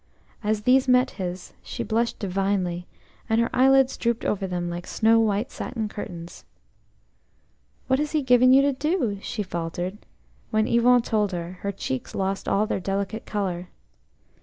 As these met his she blushed divinely, and her eyelids drooped over them like snow white satin curtains. "What has he given you to do?" she faltered. When Yvon told her, her cheeks lost all their delicate colour.